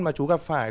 mà chú gặp phải